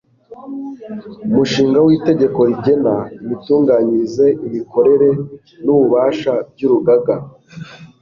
umushinga w'itegeko rigena imitunganyirize, imikorere n'ububasha by'urugaga